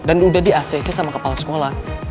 dan udah di acc sama kepala sekolah